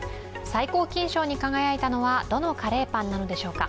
最高金賞に輝いたのは、どのカレーパンなのでしょうか。